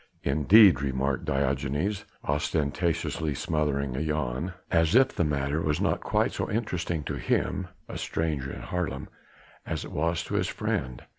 "Indeed," remarked Diogenes ostentatiously smothering a yawn as if the matter was not quite so interesting to him a stranger to Haarlem as it was to his friend.